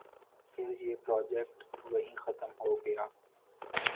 پھر یہ پراجیکٹ وہیں ختم ہو گیا۔